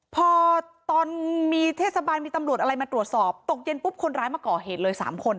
พอตอนมีเทศบาลมีตำรวจอะไรมาตรวจสอบตกเย็นปุ๊บคนร้ายมาก่อเหตุเลย๓คน